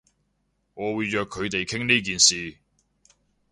我會約佢哋傾呢件事